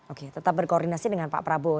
oke tetap berkoordinasi dengan pak prabowo